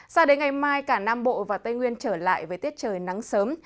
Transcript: sao đến ngày mai cả nam bộ và tây nguyên trở lại với tiết trời nắng sớm